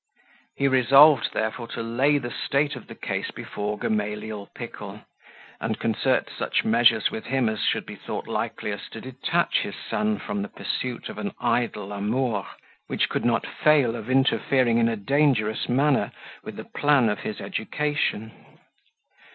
He resolved, therefore, to lay the state of the case before Gamaliel Pickle, and concert such measures with him as should be thought likeliest to detach his son from the pursuit of an idle amour, which could not fail of interfering in a dangerous manner with the plan of his education.